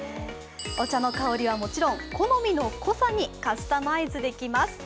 お茶の香りはもちろん好みの味にカスタマイズできます。